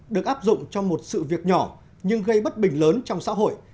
được áp dụng cho một sự việc nhỏ nhưng gây bất bình lớn trong xã hội